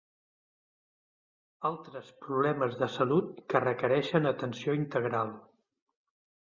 Altres problemes de salut que requereixen atenció integral.